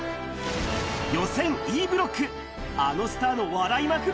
予選Ｅブロック、あのスターの笑いまくる